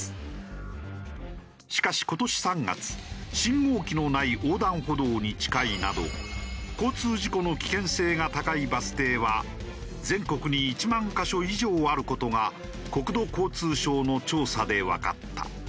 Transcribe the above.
しかし今年３月信号機のない横断歩道に近いなど交通事故の危険性が高いバス停は全国に１万カ所以上ある事が国土交通省の調査でわかった。